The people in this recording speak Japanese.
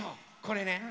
これね。